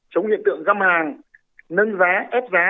chống hiện tượng găm hàng nâng giá ép giá